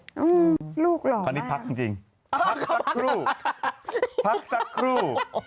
ลูกหรออันนี้พักจริงพักสักครู่พักสักครู่